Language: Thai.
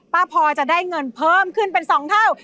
พอจะได้เงินเพิ่มขึ้นเป็น๒เท่า